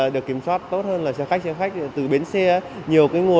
được kiểm soát tốt hơn là xe khách xe khách từ bến xe